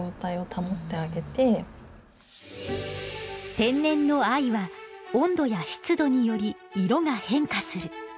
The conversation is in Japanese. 天然の藍は温度や湿度により色が変化する。